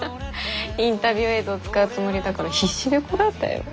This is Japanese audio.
インタビュー映像使うつもりだから必死でこらえたよ。